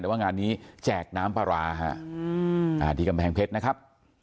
แต่ว่างานนี้แจกน้ำปลาร้าฮะที่กำแพงเพชรนะครับ